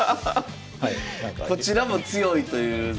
こちらも強いというのは。